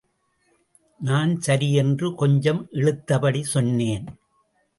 நான் சரி என்று... கொஞ்சம்... இழுத்துபடி சொன்னேன்.